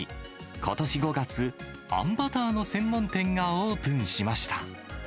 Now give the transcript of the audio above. ことし５月、あんバターの専門店がオープンしました。